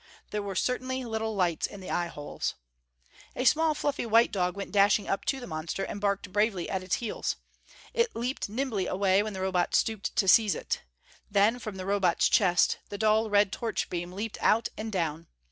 There were certainly little lights in the eye holes. A small, fluffy white dog went dashing up to the monster and barked bravely at its heels. It leaped nimbly away when the Robot stooped to seize it. Then, from the Robot's chest, the dull red torch beam leaped out and down.